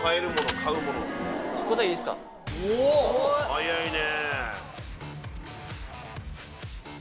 早いね！